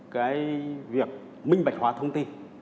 cái việc minh bạch hóa thông tin